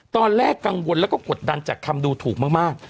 ตอนแรกกังวลแล้วก็กดดันจากคำดูถูกมาก